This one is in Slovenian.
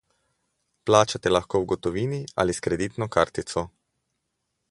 Plačate lahko v gotovini ali s kreditno kartico.